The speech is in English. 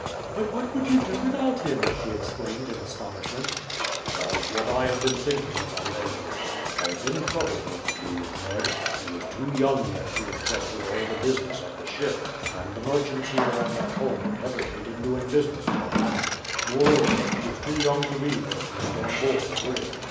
"But what would you do without him?" she exclaimed in astonishment. "That is what I have been thinking as I lay here. I have been troubled what to do with Ned. He is too young yet to entrust with all the business of the ship, and the merchants here and at home would hesitate in doing business with a lad. Moreover, he is too young to be first mate on board the brig.